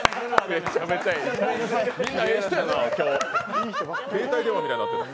みんなええ人やな携帯電話みたいになってる。